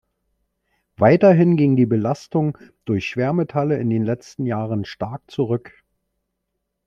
Weiterhin ging die Belastung durch Schwermetalle in den letzten Jahren stark zurück.